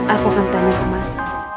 aku akan damai pemas